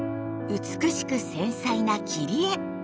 美しく繊細な切り絵！